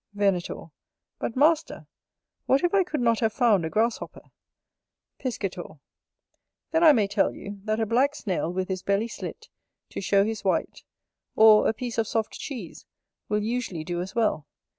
Venator. But, master! what if I could not have found a grasshopper? Piscator. Then I may tell you, That a black snail, with his belly slit, to show his white, or a piece of soft cheese, will usually do as well.